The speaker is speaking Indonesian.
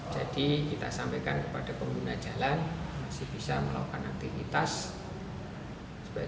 jadi kita sampaikan kepada pengguna jalan masih bisa melakukan penyelamatan